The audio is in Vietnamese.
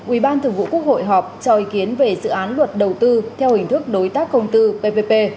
ubtc họp cho ý kiến về dự án luật đầu tư theo hình thức đối tác công tư ppp